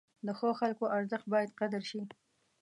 د ښو خلکو ارزښت باید قدر شي.